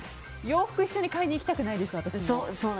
洋服一緒に買いに行きたくないです、私も。